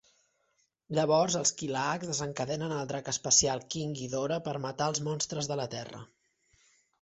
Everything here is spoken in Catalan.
Llavors els kilaaks desencadenen el drac espacial King Ghidorah per matar els monstres de la Terra.